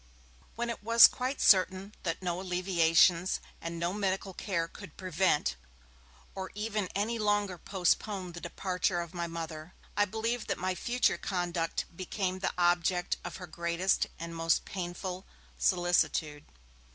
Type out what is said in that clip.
When it was quite certain that no alleviations and no medical care could prevent, or even any longer postpone the departure of my Mother, I believe that my future conduct became the object of her greatest and her most painful solicitude.